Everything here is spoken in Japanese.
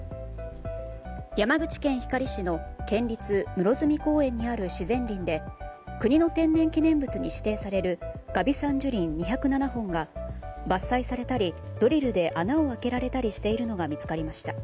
山口県光市の県立室積公園にある自然林で国の天然記念物に指定される峨眉山樹林２０７本が伐採されたりドリルで穴を開けられたりしているのが見つかりました。